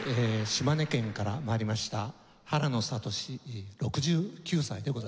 島根県から参りました原野敏６９歳でございます。